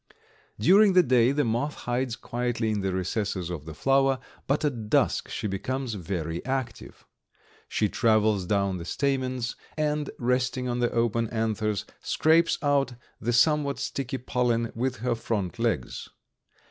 During the day the moth hides quietly in the recesses of the flower, but at dusk she becomes very active. She travels down the stamens, and, resting on the open anthers, scrapes out the somewhat sticky pollen with her front legs.